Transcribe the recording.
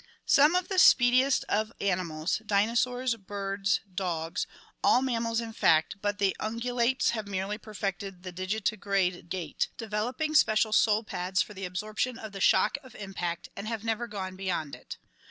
Some of the speed iest of animals — dinosaurs, birds, dogs — all mammals in fact but the* ungulates, have merely perfected the digiti grade gait, developing special sole pads for the absorption of the shock of impact, and have never gone beyond it.